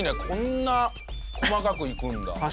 こんな細かくいくんだ。